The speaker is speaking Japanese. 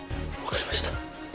分かりました。